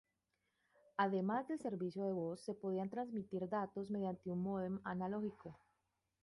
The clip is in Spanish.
Además del servicio de voz, se podían transmitir datos mediante un módem analógico.